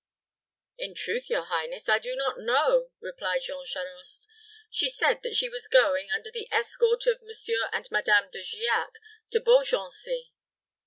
"In truth, your highness, I do not know," replied Jean Charost. "She said that she was going, under the escort of Monsieur and Madame De Giac, to Beaugency."